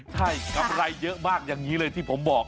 ใช่กำไรเยอะมากอย่างนี้เลยที่ผมบอก